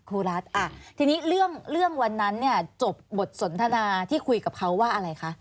ครูรัฐทีนี้เรื่องวันนั้นเนี่ยจบบทสนทนาที่คุยกับเขาว่าอะไรคะ